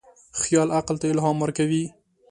خیال عقل ته الهام ورکوي.